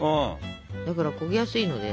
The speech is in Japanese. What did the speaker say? だから焦げやすいので。